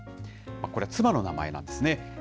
これは妻の名前なんですね。